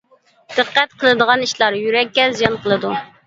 دىققەت قىلىدىغان ئىشلار: يۈرەككە زىيان قىلىدۇ.